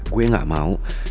gue gak mau